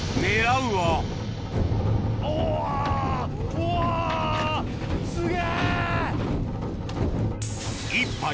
うわ！すげ！